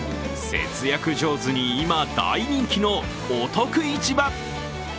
節約上手に今大人気のお得市場。